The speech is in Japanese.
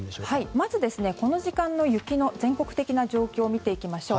まず、この時間の雪の全国的な状況を見ていきましょう。